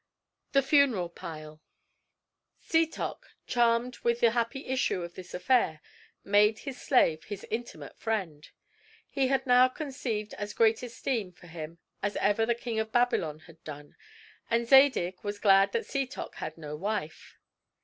THE FUNERAL PILE Setoc, charmed with the happy issue of this affair, made his slave his intimate friend. He had now conceived as great esteem for him as ever the King of Babylon had done; and Zadig was glad that Setoc had no wife.